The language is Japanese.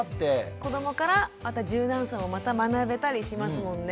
子どもからまた柔軟さをまた学べたりしますもんね。